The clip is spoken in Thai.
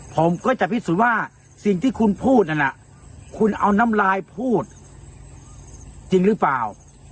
ผมก็จะพิสูจน์ว่าสิ่งที่คุณพูดนั่นน่ะคุณเอาน้ำลายพูดจริงหรือเปล่า